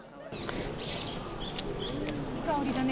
いい香りだね。